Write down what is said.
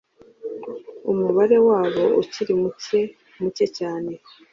umubare wabo ukiri muke muke cyane